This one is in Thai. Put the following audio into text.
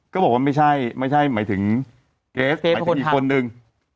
ก็บอกว่าไม่ใช่ไม่ใช่หมายถึงเกรสคืออีกคนหนึ่ง